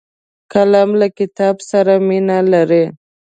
قلم له کتاب سره مینه لري